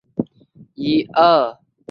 李朝隐改调任岐州刺史。